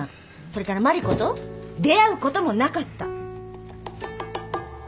それから万理子と出会うこともなかった。